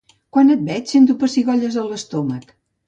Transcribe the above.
Quan et veig sento pessigolles a l'estómac.